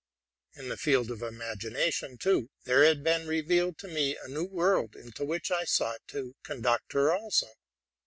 In the field of imagination, too, had there not been revealed to me a new world, into which I sought to conduct her also?